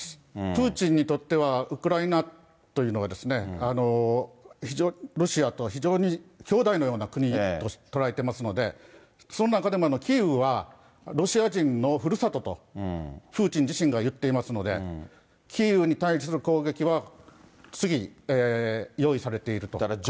プーチンにとってはウクライナというのは、ロシアと非常にきょうだいなような国と捉えてますので、その中でもキーウはロシア人のふるさとと、プーチン自身が言っていますので、キーウに対する攻撃は次、用意されていると考えます。